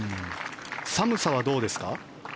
寒さはどうですか？